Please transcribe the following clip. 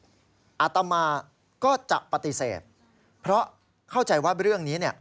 กับของอัตมาอัตมาก็จะปฏิเสธเพราะเข้าใจว่าเรื่องนี้เนี่ย